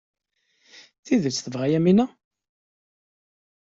D tidet tebɣa-t Yamina?